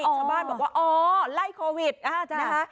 ชาวบ้านบอกว่าอ๋อไล่โควิดนะคะ